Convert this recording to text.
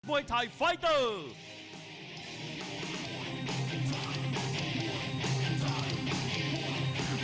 วยไทยไฟเตอร์